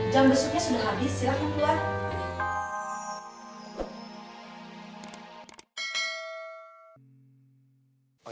jam besoknya sudah habis